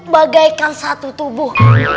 bagaikan satu tubuh